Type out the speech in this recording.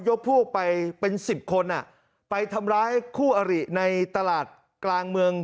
พวกไปเป็นสิบคนอ่ะไปทำร้ายคู่อริในตลาดกลางเมือง